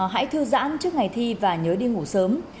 hãy thư giãn trước ngày thi và nhớ đi ngủ sớm